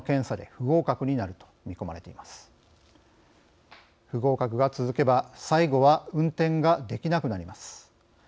不合格が続けば最後は運転ができなくなります。